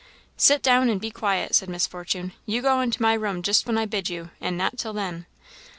"Sit down, and be quiet!" said Miss Fortune; "you go into my room just when I bid you, and not till then."